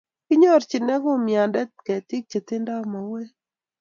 kinyorchine kumyande ketik che tingdoi mauek